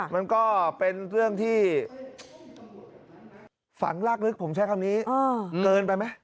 มันก็เป็นเรื่องที่ฝังลากลึกผมใช้คำนี้เกินไปไหม